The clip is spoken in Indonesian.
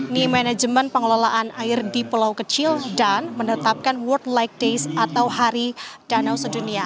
ini manajemen pengelolaan air di pulau kecil dan menetapkan world light days atau hari danau sedunia